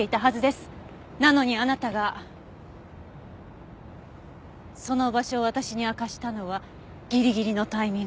なのにあなたがその場所を私に明かしたのはギリギリのタイミングだった。